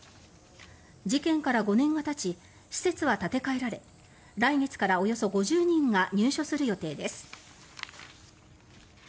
事件から５年がたち施設は建て替えられ来月からおよそ５０人が入所する予定です。